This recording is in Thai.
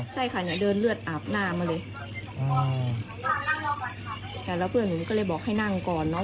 ใช่ค่ะเนี่ยเดินเลือดอาบหน้ามาเลยแล้วเพื่อนหนูก็เลยบอกให้นั่งก่อนเนอะ